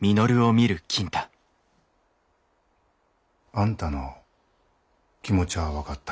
あんたの気持ちゃあ分かった。